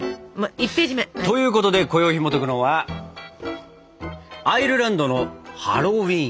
１ページ目。ということでこよいひもとくのは「アイルランドのハロウィーン」。